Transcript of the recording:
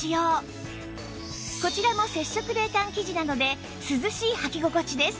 こちらも接触冷感生地なので涼しいはき心地です